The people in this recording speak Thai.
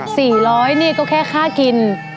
ร้อยนี่ก็แค่ค่ากิน